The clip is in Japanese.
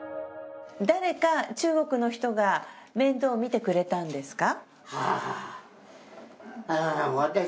誰か中国の人が面倒を見てくれたんですか。